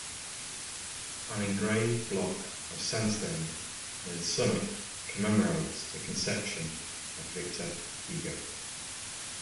An engraved block of sandstone near the summit commemorates the conception of Victor Hugo.